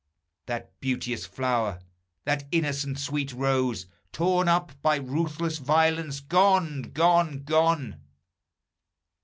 That beauteous flower, that innocent sweet rose, Torn up by ruthless violence, gone! gone! gone!